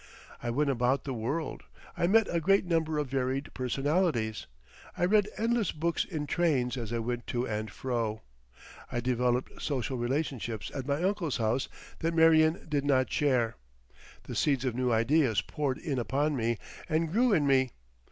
I went about the world; I met a great number of varied personalities; I read endless books in trains as I went to and fro. I developed social relationships at my uncle's house that Marion did not share. The seeds of new ideas poured in upon me and grew in me.